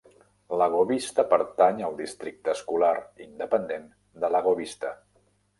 Lago Vista pertany al districte escolar independent de Lago Vista.